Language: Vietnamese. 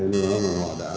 đó là họ đã